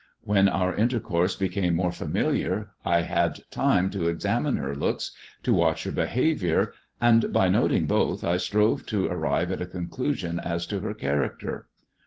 When our intercourse became more familiar, I had time to examine her looks, to siratch her behaviour ; and by noting both, I strove to arrive tt a conclusion as to her character.